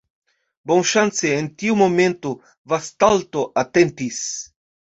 Bonŝance, en tiu momento Vastalto atentis.